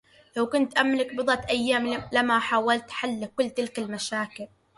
لو كنت أملك بضعة أيّام لما حاولت حلّ كلّ تلك المشاكل.